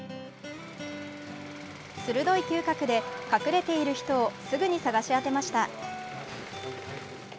鋭い嗅覚で隠れている人をすぐに捜し当てました。